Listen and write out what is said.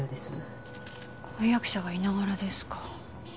婚約者がいながらですか。